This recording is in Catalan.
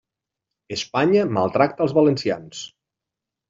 Espanya maltracta els valencians.